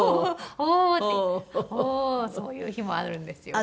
そういう日もあるんですよ。